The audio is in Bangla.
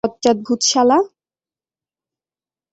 বজ্জাত ভুত শালা।